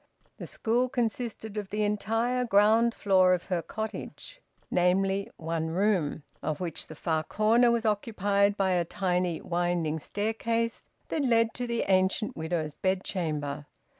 The school consisted of the entire ground floor of her cottage, namely, one room, of which the far corner was occupied by a tiny winding staircase that led to the ancient widow's bedchamber.